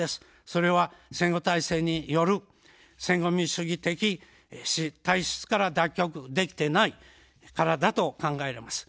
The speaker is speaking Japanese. それは戦後体制による戦後民主主義的体質から脱却できていないからだと考えられます。